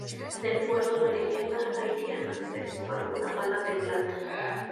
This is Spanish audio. De acuerdo a la leyenda haitiana, se disparó una bala de plata.